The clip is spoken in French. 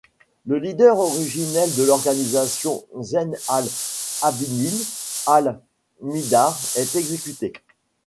Le leader originel de l'organisation, Zayn Al Abidine Al Mihdar est exécuté.